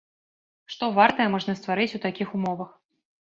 Што вартае можна стварыць у такіх умовах?